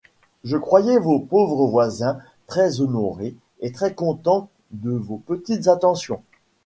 Je croyais vos pauvres voisins très honorés et très contents de vos petites attentions.